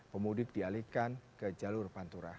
pemudik dialihkan ke jalur pantura